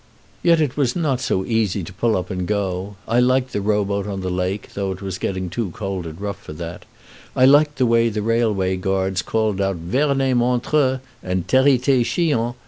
Yet it was not so easy to pull up and go. I liked the row boat on the lake, though it was getting too cold and rough for that; I liked the way the railway guards called out "Verney Montreux!" and "Territey Chillon!"